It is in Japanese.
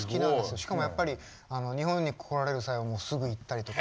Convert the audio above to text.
しかもやっぱり日本に来られる際はすぐ行ったりとか。